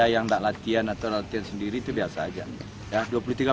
yang tidak latihan atau latihan sendiri itu biasa aja